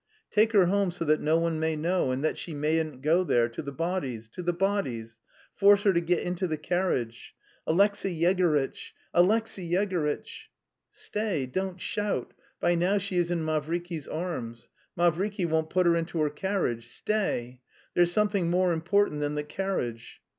Take her home so that no one may know... and that she mayn't go there... to the bodies... to the bodies.... Force her to get into the carriage... Alexey Yegorytch! Alexey Yegorytch!" "Stay, don't shout! By now she is in Mavriky's arms.... Mavriky won't put her into your carriage.... Stay! There's something more important than the carriage!"